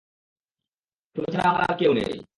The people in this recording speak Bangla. তুমি ছাড়া আমার আর কেউ নেই।